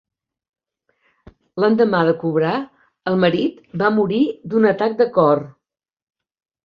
L'endemà de cobrar, el marit va morir d'un atac de cor.